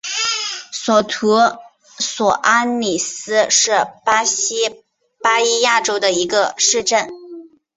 索图索阿里斯是巴西巴伊亚州的一个市镇。